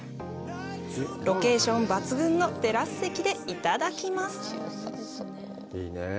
ロケーション抜群のテラス席でいただきます。